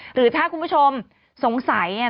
หรือถ้าคุณผู้ชมสงสัยเนี่ย